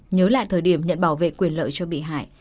nhớ lại thời điểm nhận bảo vệ quyền lợi cho bị hại